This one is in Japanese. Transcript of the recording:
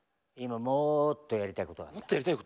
今もっとやりたいことがある。